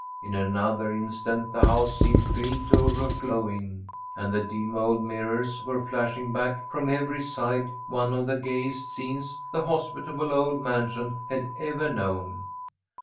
In another instant the house seemed filled to overflowing, and the dim old mirrors were flashing back from every side one of the gayest scenes the hospitable old mansion had ever known.